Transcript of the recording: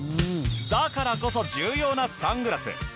だからこそ重要なサングラス。